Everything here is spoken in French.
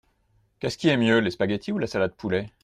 Qu’est-ce qui est mieux, les spaghetti ou la salade poulet ?